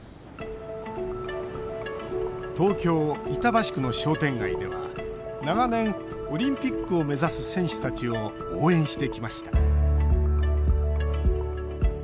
東京・板橋区の商店街では長年オリンピックを目指す選手たちを応援してきました。